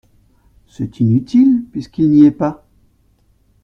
C’est inutile… puisqu’il n’y est pas !